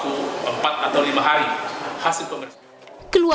keluarga berharap polisi segera menyelesaikan kasus yang mengakibatkan korban hingga meninggal dunia